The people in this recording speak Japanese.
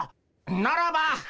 ならば。